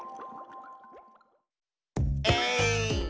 えい！